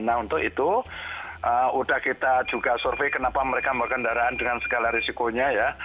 nah untuk itu sudah kita juga survei kenapa mereka mau kendaraan dengan segala risikonya ya